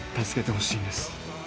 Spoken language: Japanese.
助けてほしいんです。